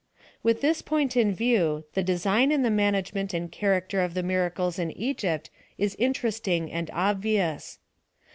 With this point in view, the design in the man agement and character of the miracles in Egypt is interesting and obvious.